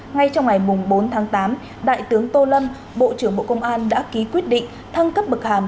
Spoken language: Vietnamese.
ngay trong ngày bốn tháng tám đại tướng tô lâm bộ trưởng bộ công an đã ký quyết định thăng cấp bậc hàm